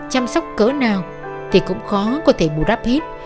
chăm sóc cớ nào thì cũng khó có thể bù đắp hết